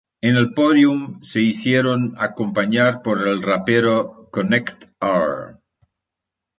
En el pódium se hicieron acompañar por el rapero "Connect-R".